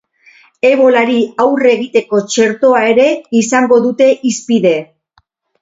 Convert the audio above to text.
Ebolari aurre egiteko txertoa ere izango dute hizpide.